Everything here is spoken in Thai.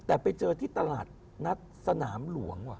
แต่ไปเจอที่ตลาดนัดสนามหลวงว่ะ